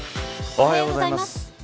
おはようございます。